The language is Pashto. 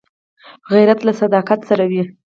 غیرت له صداقت سره وي